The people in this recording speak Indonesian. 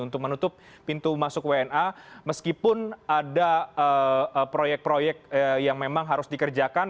untuk menutup pintu masuk wna meskipun ada proyek proyek yang memang harus dikerjakan